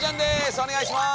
お願いします。